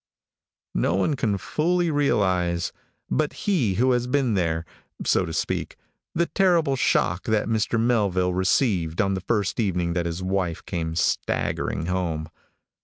No one can fully realize, but he who has been there, so to speak, the terrible shock that Mr. Melville received on the first evening that his wife came staggering home.